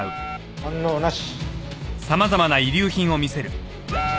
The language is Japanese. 反応なし。